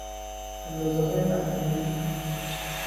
اندازههای معمولی